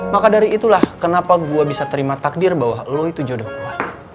maka dari itulah kenapa gue bisa terima takdir bahwa lo itu jodoh gue